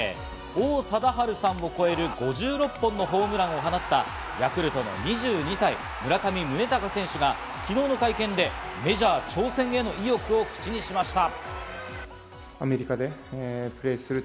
王貞治さんを超える５６本のホームランを放ったヤクルトの２２歳・村上宗隆選手が、昨日の会見でメジャー挑戦への意欲を口にしました。